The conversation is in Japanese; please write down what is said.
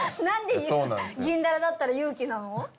何でギンダラだったら勇気なの？